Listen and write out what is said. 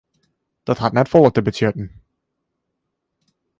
Dat hat net folle te betsjutten.